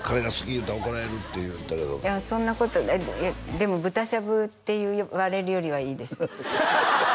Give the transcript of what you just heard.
言うたら怒られるって言うてたけどいやそんなことでも豚しゃぶって言われるよりはいいです